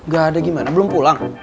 gak ada gimana belum pulang